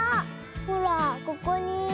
ほらここに。